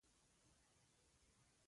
د ماشومانو ودونه باید منع شي.